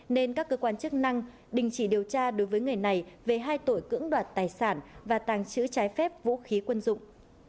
nên các cơ quan chức năng đình chỉ điều tra đối với người này về hai tội cưỡng đoạt tài sản và tàng trữ trái phép vũ khí quân dụng